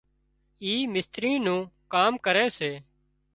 اي مستري نُون ڪام ڪري سي